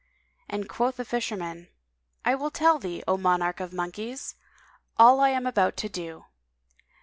and quoth the Fisherman, "I will tell thee, O monarch of monkeys all I am about to do.